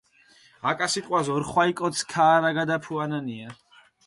აკა სიტყვას ორხვალი კოც ქაარაგადაფუანანია.